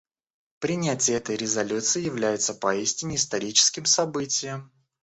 Принятие этой резолюции является поистине историческим событием.